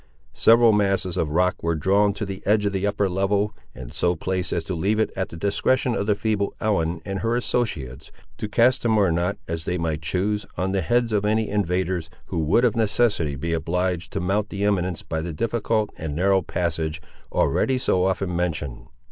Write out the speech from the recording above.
Several masses of rock were drawn to the edge of the upper level, and so placed as to leave it at the discretion of the feeble Ellen and her associates, to cast them or not, as they might choose, on the heads of any invaders, who would, of necessity, be obliged to mount the eminence by the difficult and narrow passage already so often mentioned.